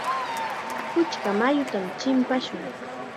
Puchka mayutam chimpashun.